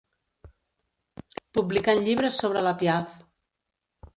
Publicant llibres sobre la Piaff.